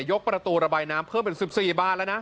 ประตูระบายน้ำเพิ่มเป็น๑๔บ้านแล้วนะ